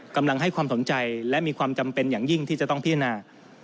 กำลังให้ความสนใจและมีความจำเป็นอย่างยิ่งที่จะต้องพินา